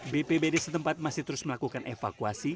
bpbd setempat masih terus melakukan evakuasi